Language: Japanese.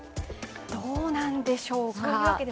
どうなんでしょうか。